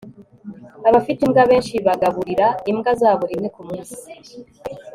abafite imbwa benshi bagaburira imbwa zabo rimwe kumunsi